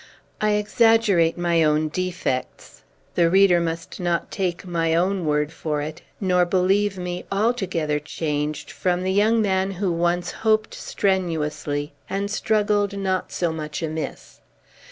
I exaggerate my own defects. The reader must not take my own word for it, nor believe me altogether changed from the young man who once hoped strenuously, and struggled not so much amiss.